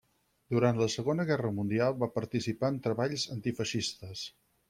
Durant la Segona Guerra Mundial va participar en treballs antifeixistes.